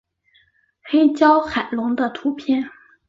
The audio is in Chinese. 黑胶海龙的图片